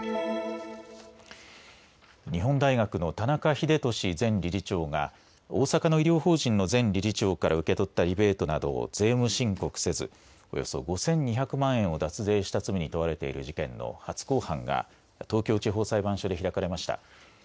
日本大学の田中英壽前理事長が、大阪の医療法人の前理事長から受け取ったリベートなどを税務申告せず、およそ５２００万円を脱税した罪に問われている事件の初公判が、東京地方裁判所で開かれました。